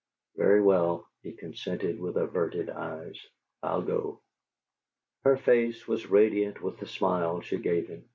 "Very well," he consented, with averted eyes. "I'll go." Her face was radiant with the smile she gave him.